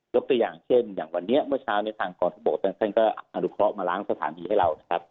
ยกตัวอย่างเช่นอย่างวันนี้เมื่อเช้าทางกศก็อรุเคาะมาล้างสถานีให้เรา